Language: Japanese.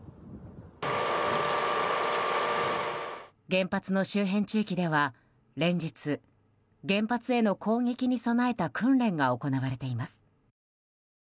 原発の周辺地域では連日、原発への攻撃に備えた訓練が行われています。